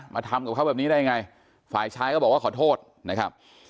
มาทำกับเขาแบบนี้ได้ยังไงฝ่ายชายก็บอกว่าขอโทษนะครับ